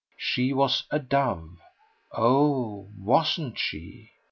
She was a dove. Oh WASN'T she?